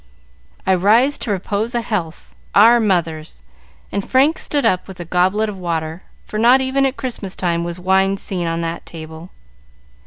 "I rise to propose a health, Our Mothers." And Frank stood up with a goblet of water, for not even at Christmas time was wine seen on that table.